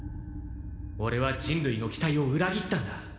オレは人類の期待を裏切ったんだ。